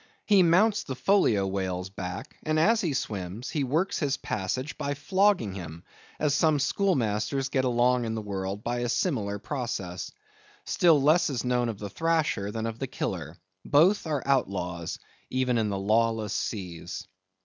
He mounts the Folio whale's back, and as he swims, he works his passage by flogging him; as some schoolmasters get along in the world by a similar process. Still less is known of the Thrasher than of the Killer. Both are outlaws, even in the lawless seas.